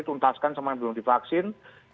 tuntaskan sama yang belum divaksin